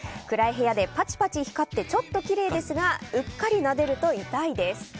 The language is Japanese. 暗い部屋でパチパチ光ってちょっときれいですがうっかりなでると痛いです。